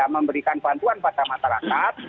memberikan bantuan pada masyarakat